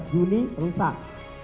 lima belas juni rusak